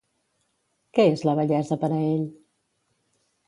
Què és la bellesa per a ell?